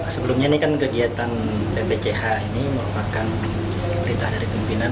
sebelumnya ini kan kegiatan bbch ini merupakan perintah dari pimpinan